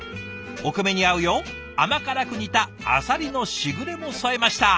お米に合うよう甘辛く煮たアサリのしぐれも添えました」。